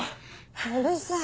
うるさい。